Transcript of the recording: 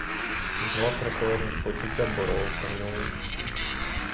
Два протилежних почуття боролися в ньому.